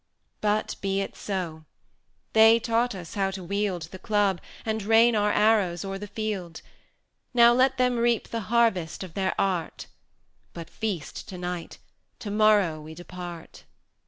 40 But be it so: they taught us how to wield The club, and rain our arrows o'er the field: Now let them reap the harvest of their art! But feast to night! to morrow we depart.